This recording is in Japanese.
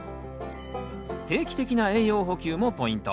定期的な栄養補給もポイント。